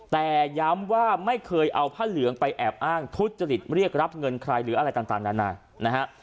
แต่ย้ำว่าไม่เคยเอาผ้าเหลืองไปแอบอ้างทุจริตเรียกรับเงินใครหรืออะไรต่างนานนะฮะ